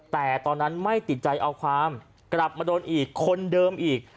แต่ตอนนั้นไม่ติดใจเอาความกลับมาโดนอีกคนเดิมอีก